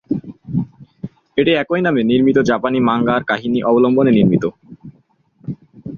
এটি একই নামে নির্মিত জাপানি মাঙ্গার কাহিনী অবলম্বনে নির্মিত।